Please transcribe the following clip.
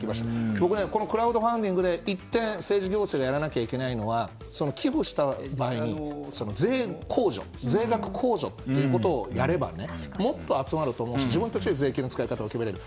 僕ら、クラウドファンディングで１点、政治行政がやらなきゃいけないのは寄付した場合に税額控除ということをやればもっと集まると思うし自分たちで税金の決め方を決められる。